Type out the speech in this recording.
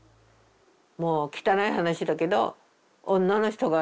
もう汚い話だけど女の人がね